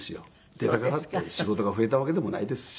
出たからって仕事が増えたわけでもないですし。